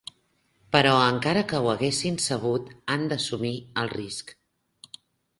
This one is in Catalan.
Però, encara que ho haguessin sabut, han d'assumir el risc.